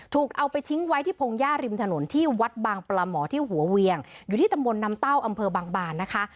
เอาไปทิ้งไว้ที่พงหญ้าริมถนนที่วัดบางปลาหมอที่หัวเวียงอยู่ที่ตำบลน้ำเต้าอำเภอบางบานนะคะ